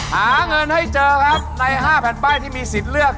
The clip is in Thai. หาเงินให้เจอครับใน๕แผ่นป้ายที่มีสิทธิ์เลือก